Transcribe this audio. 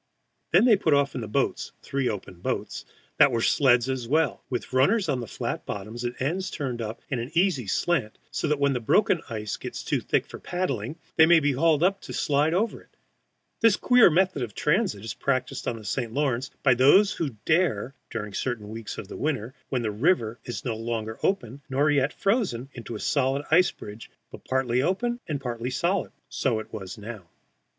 ] Then they put off in the boats three open boats that are sleds as well, with runners on the flat bottoms and ends turned up in an easy slant, so that when the broken ice gets too thick for paddling they may be hauled up to slide over it. This queer method of transit is practised on the St. Lawrence, by those who dare, during certain weeks of winter when the river is no longer open nor yet frozen into a solid ice bridge, but partly open and partly solid. So it was now.